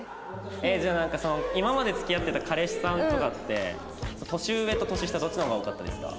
えっじゃあなんかその今まで付き合ってた彼氏さんとかって年上と年下どっちの方が多かったですか？